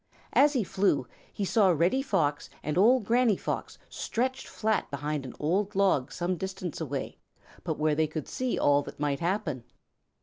As he flew, he saw Reddy Fox and old Granny Fox stretched flat behind an old log some distance away, but where they could see all that might happen.